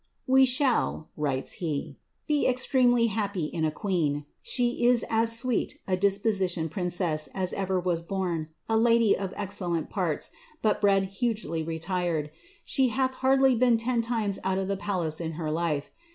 We shall," writes he, ^ be extremely happy in a queen. She is as sweet a dispositioned princess as ever was boni, a lady of excellent parts, but bred hugely retired. She hath hardly been ten times out of the palace in her life.